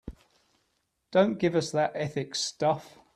Don't give us that ethics stuff.